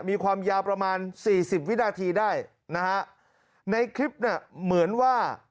มีความยาวประมาณสี่สิบวินาทีได้นะฮะในคลิปเนี่ยเหมือนว่า